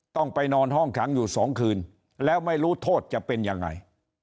ต้องไปนอนห้องขังอยู่๒คืนแล้วไม่รู้โทษจะเป็นยังไง